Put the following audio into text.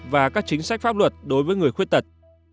và các chính sách pháp luật đối với người khuyết tật